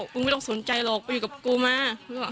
ไม่ต้องสนใจหรอกไปอยู่กับกูมา